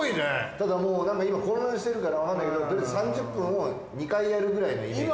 ただもうなんか今混乱してるからわかんないけどとりあえず３０分を２回やるくらいのイメージ。